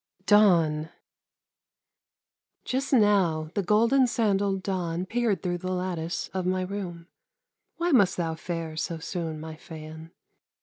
DAWN Just now the golden sandalled Dawn Peered through the lattice of my room; Why must thou fare so soon, my Phaon?